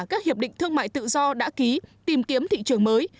các hiệp định thương mại tự do đã ký tìm kiếm thị trường mới